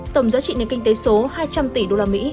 tổng giá trị nền kinh tế số hai trăm linh tỷ usd